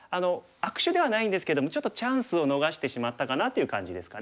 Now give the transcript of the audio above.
悪手ではないんですけどもちょっとチャンスを逃してしまったかなっていう感じですかね。